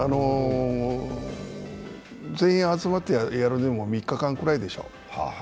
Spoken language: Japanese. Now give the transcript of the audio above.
全員集まってやるのも３日間くらいでしょう。